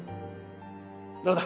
どうだ？